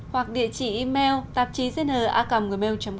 hoặc địa chỉ email tạp chí dn acom gmail com